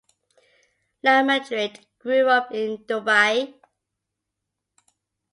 Lamadrid grew up in Dubai.